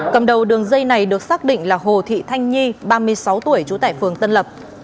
cầm đầu đường dây này được xác định là hồ thị thanh nhi ba mươi sáu tuổi trú tại phường tân lập